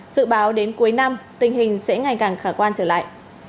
dự báo đến cuối năm tình hình sẽ ngày càng khả quan trở lại